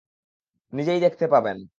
নিজেই দেখতে পাবেন।